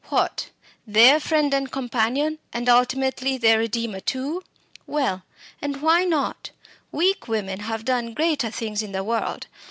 What, their friend and champion, and ultimately their redeemer too? Well, and why not? Weak women have done greater things in the world.